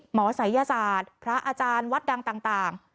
ศัยยศาสตร์พระอาจารย์วัดดังต่าง